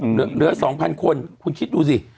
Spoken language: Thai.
เหลือสองพันคนคุณคิดดูสิ